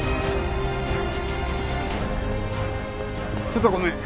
ちょっとごめん。